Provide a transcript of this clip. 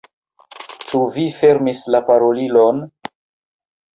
Ĉu vi fermis la parolilon?